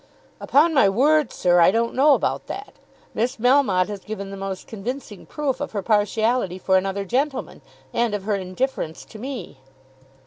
"Upon my word, sir, I don't know about that. Miss Melmotte has given the most convincing proof of her partiality for another gentleman, and of her indifference to me."